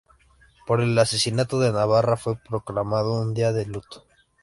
Por el asesinato de Navarra fue proclamado un día de luto.